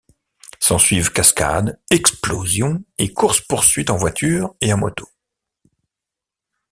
S'en suivent cascades, explosions et course-poursuites en voitures et à motos.